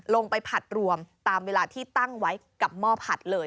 ลงไปผัดรวมตามเวลาที่ตั้งไว้กับหม้อผัดเลย